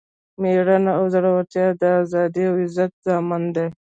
میړانه او زړورتیا د ازادۍ او عزت ضامن دی.